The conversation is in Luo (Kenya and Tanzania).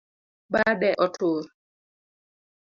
Bade otur